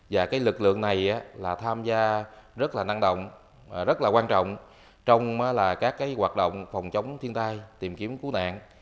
và cái lực lượng này là tham gia rất là năng động rất là quan trọng trong các hoạt động phòng chống thiên tai tìm kiếm cứu nạn